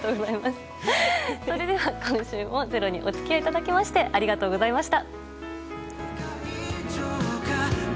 それでは今週も「ｚｅｒｏ」にお付き合いいただきありがとうございました。